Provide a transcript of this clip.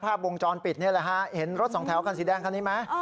ภาพวงจรปิดนี่แหละฮะเห็นรถสองแถวคันสีแดงคันนี้ไหม